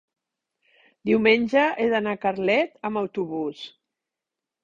Diumenge he d'anar a Carlet amb autobús.